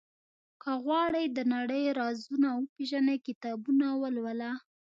• که غواړې د نړۍ رازونه وپېژنې، کتابونه ولوله.